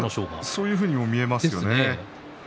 そういうふうにも見えますよね。